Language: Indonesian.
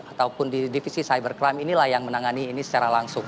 ataupun di divisi cybercrime inilah yang menangani ini secara langsung